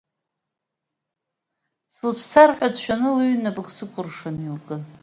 Слыцәцар ҳәа дшәаны лыҩнапык сыкәыршаны илкын.